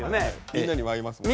みんなにも会いますもんね。